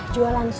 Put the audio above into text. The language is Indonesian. jualan sugar cuk